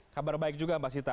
kabar baik juga mbak sita